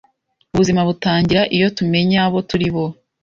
Ubuzima butangira iyo tumenye abo turi bo.